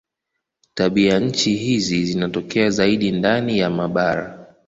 Tabianchi hizi zinatokea zaidi ndani ya mabara.